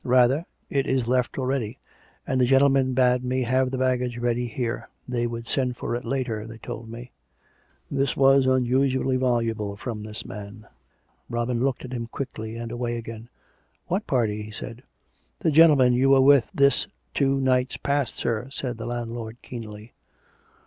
Rather, it is left already ; and the gentlemen bade me have the baggage ready here. They would send for it later, they told me." This was unusually voluble from this man. Robin looked at him quickly, and away again. " What party ?" he said. " The gentlemen you were with this two nights past, sir," said the landlord keenly.